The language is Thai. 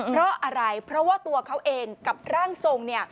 เพราะอะไรเพราะว่าตัวเขาเองกับร่างทรง